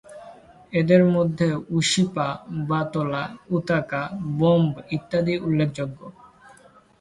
এদের মধ্যে উশিপা, বাতলা, উতাকা, বোম্ব ইত্যাদি উল্লেখযোগ্য।